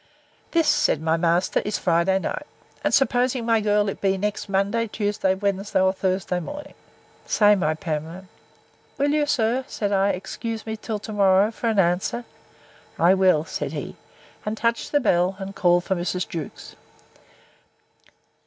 This, said my master, is Friday night; and suppose, my girl, it be next Monday, Tuesday, Wednesday, or Thursday morning?—Say, my Pamela. Will you, sir, said I, excuse me till to morrow for an answer? I will, said he; and touched the bell, and called for Mrs. Jewkes.